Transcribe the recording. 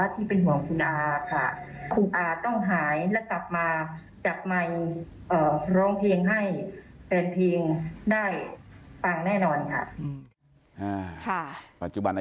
ที่เป็นห่วงคุณอาค่ะ